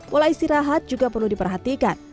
pola istirahat juga perlu diperhatikan